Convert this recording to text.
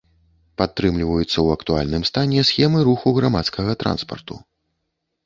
Падтрымліваюцца ў актуальным стане схемы руху грамадскага транспарту.